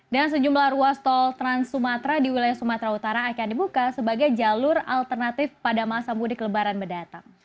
dan sejumlah ruas tol trans sumatera di wilayah sumatera utara akan dibuka sebagai jalur alternatif pada masa mudik lebaran berdatang